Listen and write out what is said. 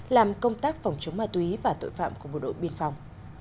làm công tác phòng chống ma túy và tội phạm của bộ đội biên phòng